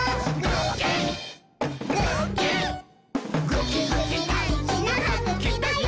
ぐきぐきだいじなはぐきだよ！」